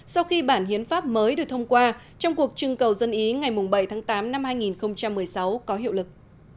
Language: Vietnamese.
sau khi bản hiến pháp mới được thông qua trong cuộc trưng cầu dân ý ngày bảy tháng tám năm hai nghìn một mươi sáu có hiệu lực